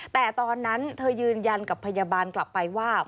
แต่ตอนนั้นเธอยืนยันกับพยาบาลกลับไปว่า